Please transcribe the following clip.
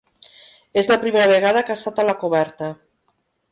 És la primera vegada que ha estat a la coberta.